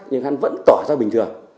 nhưng hán vẫn tỏ ra bình thường